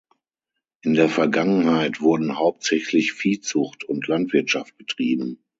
In der Vergangenheit wurden hauptsächlich Viehzucht und Landwirtschaft betrieben.